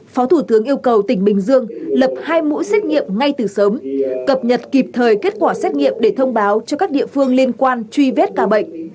phó thủ tướng yêu cầu tỉnh bình dương lập hai mũi xét nghiệm ngay từ sớm cập nhật kịp thời kết quả xét nghiệm để thông báo cho các địa phương liên quan truy vết ca bệnh